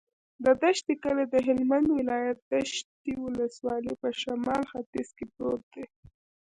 د دشټي کلی د هلمند ولایت، دشټي ولسوالي په شمال ختیځ کې پروت دی.